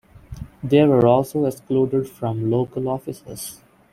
They were also excluded from local offices.